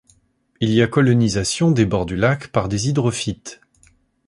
Il y a colonisation des bords du lac par des hydrophytes.